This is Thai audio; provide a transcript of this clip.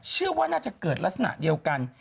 เชื่อว่าน่าจะเกิดลักษณะเดียวกัน